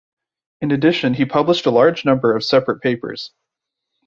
In addition he published a large number of separate papers.